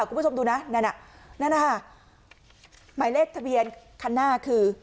คุณผู้ชมดูนะนั่นน่ะนั่นนะคะหมายเลขทะเบียนคันหน้าคือ